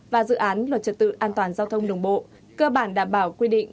và dự án luật trật tự an toàn giao thông đường bộ cơ bản đảm bảo quy định